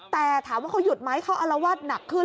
แต่ถามว่าเขาหยุดไหมเขาอารวาสหนักขึ้น